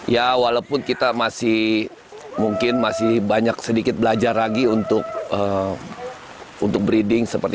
ya walaupun kita masih mungkin masih banyak sedikit belajar lagi untuk breeding